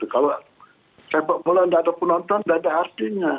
kalau sepak bola tidak ada penonton tidak ada artinya